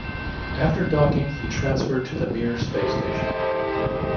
After docking he transferred to the Mir Space Station.